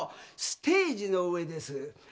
ステージの上です。